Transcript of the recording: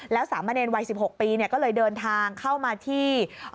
แล้วสามเณรวัย๑๖ปีก็เลยเดินทางเข้ามาที่